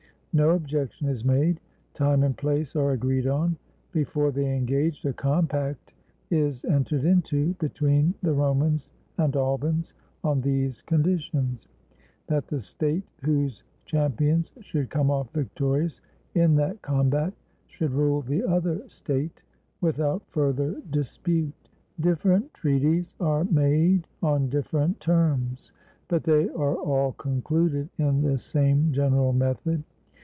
No objection is made; time and place are agreed on. Before they engaged, a compact is en tered into between the Romans and Albans on these conditions, that the state whose champions should come off victorious in that combat should rule the other state without further dispute. Different treaties are made on different terms, but they are all concluded in the same general method.